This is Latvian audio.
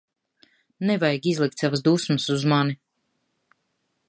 Nevajag izlikt savas dusmas uz mani.